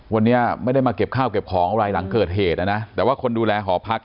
วันนี้ไม่ได้มาเก็บข้าวเก็บของอะไรหลังเกิดเหตุนะนะแต่ว่าคนดูแลหอพัก